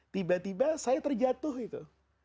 tiba tiba saya terjatuh itu